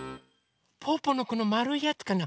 ぽぅぽのこのまるいやつかな？